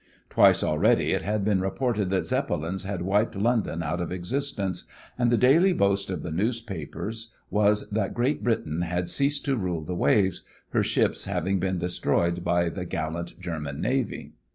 Twice already it had been reported that Zeppelins had wiped London out of existence, and the daily boast of the papers was that Great Britain had ceased to rule the waves, her ships having been destroyed by the gallant German Navy.